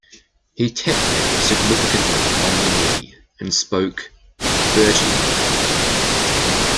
He tapped me significantly on the knee and spoke: "Bertie."